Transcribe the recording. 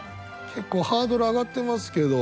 結構ハードル上がってますけど。